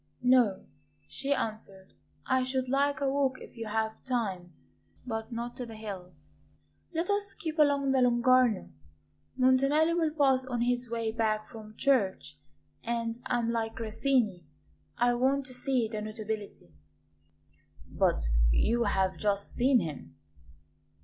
"No," she answered; "I should like a walk if you have time; but not to the hills. Let us keep along the Lung'Arno; Montanelli will pass on his way back from church and I am like Grassini I want to see the notability." "But you have just seen him."